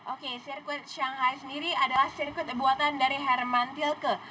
oke sirkuit shanghai sendiri adalah sirkuit buatan dari hermantilke